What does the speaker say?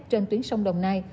trên tuyến sông đồng nai